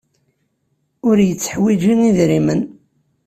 Ur yetteḥwiji idrimen.